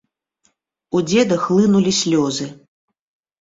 У дзеда хлынулі слёзы.